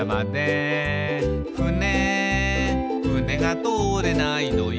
「ふねふねが通れないのよ」